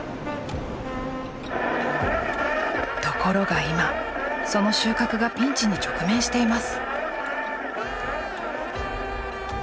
ところが今その収穫がピンチに直面しています。